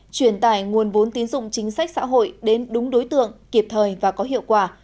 truyền tải nguồn vốn tín dụng chính sách xã hội đến đúng đối tượng kịp thời và có hiệu quả